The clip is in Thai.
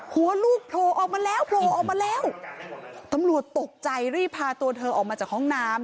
ลูกโผล่ออกมาแล้วโผล่ออกมาแล้วตำรวจตกใจรีบพาตัวเธอออกมาจากห้องน้ำ